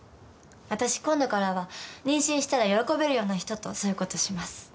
私今度からは妊娠したら喜べるような人とそういうことします。